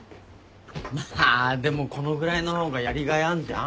まあでもこのぐらいの方がやりがいあんじゃん。